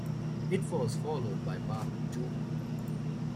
It was followed by part ii.